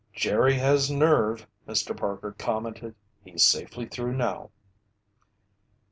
"Jerry has nerve!" Mr. Parker commented. "He's safely through now."